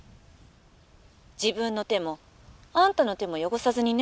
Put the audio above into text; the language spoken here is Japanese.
自分の手もあんたの手も汚さずにね」。